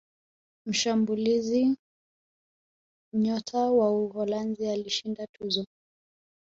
mshambulizi nyota wa uholanzi alishinda tuzo